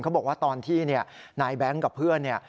บอกว่าตอนที่นายแบงค์กับเพื่อนเนี่ย